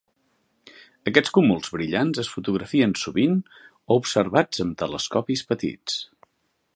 Aquest cúmuls brillants es fotografien sovint o observats amb telescopis petits.